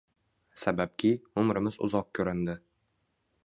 Sababki, umrimiz uzoq ko’rindi